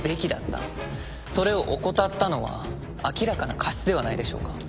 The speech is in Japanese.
それを怠ったのは明らかな過失ではないでしょうか。